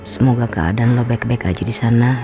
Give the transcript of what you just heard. semoga keadaan lu baik baik aja disana